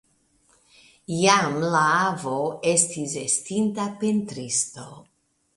Jam la avo estis estinta pentristo.